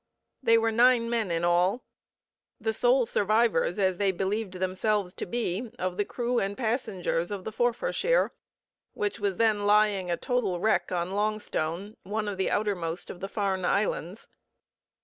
They were nine men in all, the sole survivors, as they believed themselves to be, of the crew and passengers of the Forfarshire, which was then lying a total wreck on Longstone, one of the outermost of the Farne Islands.